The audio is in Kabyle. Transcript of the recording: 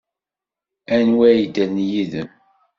Anwi ay yeddren yid-m?